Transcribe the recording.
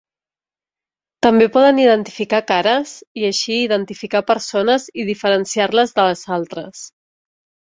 També poden identificar cares i així identificar persones i diferenciar-les de les altres.